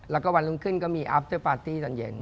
แล้วก็วันรุ่งขึ้นก็มีอัพเตอร์ปาร์ตี้ตอนเย็น